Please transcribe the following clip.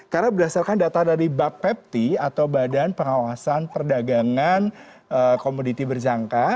karena berdasarkan data dari bapepti atau badan pengawasan perdagangan komoditi berjangka